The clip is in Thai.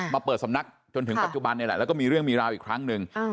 มาเปิดสำนักจนถึงปัจจุบันนี่แหละแล้วก็มีเรื่องมีราวอีกครั้งหนึ่ง